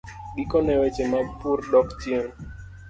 Gikone, weche mag pur dok chien.